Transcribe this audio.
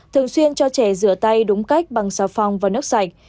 thường xuyên cho trẻ rửa tay đúng cách bằng xà phòng và nước sạch